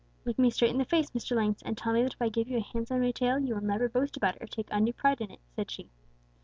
"'Look me straight in the face, Mr. Lynx, and tell me that if I give you a handsome new tail, you will never boast about it or take undue pride in it,' said she.